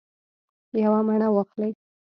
یوه مڼه واخلئ